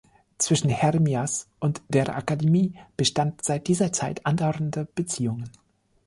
Zwischen Hermias und der Akademie bestanden seit dieser Zeit andauernde Beziehungen.